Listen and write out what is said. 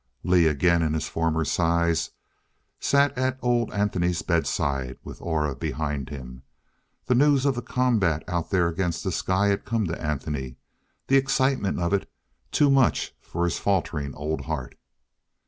Lee, again in his former size, sat at old Anthony's bedside, with Aura behind him. The news of the combat out there against the sky had come to Anthony the excitement of it, too much for his faltering old heart....